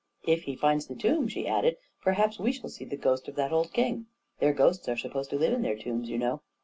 44 If he finds the tomb," she added, " perhaps we shall see the ghost of that old king ! Their ghosts are supposed to live in their tombs, you know."